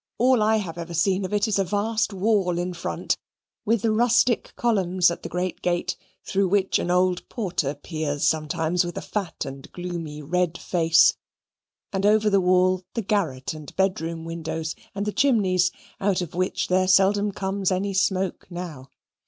All I have ever seen of it is the vast wall in front, with the rustic columns at the great gate, through which an old porter peers sometimes with a fat and gloomy red face and over the wall the garret and bedroom windows, and the chimneys, out of which there seldom comes any smoke now.